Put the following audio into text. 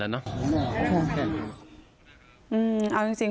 อันนี้กันห่วง